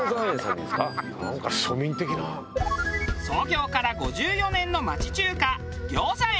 創業から５４年の町中華餃子苑。